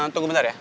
tunggu bentar ya